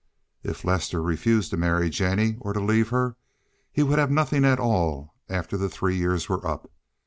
If Lester refused to marry Jennie, or to leave her, he was to have nothing at all after the three years were up.